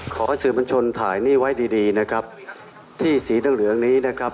ขอให้สื่อบัญชนถ่ายนี่ไว้ดีดีนะครับที่สีเหลืองเหลืองนี้นะครับ